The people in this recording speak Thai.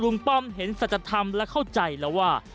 ป้อมเห็นสัจธรรมและเข้าใจแล้วว่า